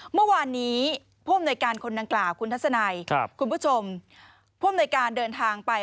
เมื่อวานนี้พวงหน่วยการคนดังกล่าวคุณทัศนัยคุณผู้ชมพวงหน่วยการเดินทางไป